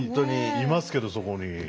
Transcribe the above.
いますけどそこに。